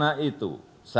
kita harus memindahkan bahwa